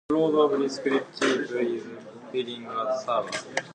Powers, one of its early settlers.